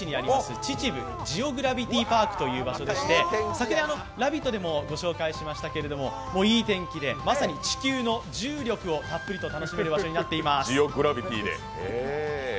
秩父ジオグラビティパークという場所でして昨年、「ラヴィット！」でもご紹介しましたけれどもいい天気でまさに地球の重力を楽しめる場所となっております。